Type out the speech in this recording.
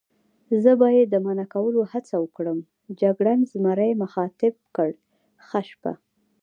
زه به یې د منع کولو هڅه وکړم، جګړن زمري مخاطب کړ: ښه شپه.